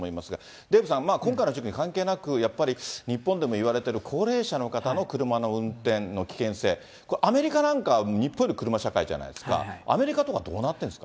デーブさん、今回の事件に関わらず、やっぱり日本でもいわれてる、高齢者の方の車の運転の危険性、アメリカなんか、日本より車社会じゃないですか、アメリカとかどうなってるんですか？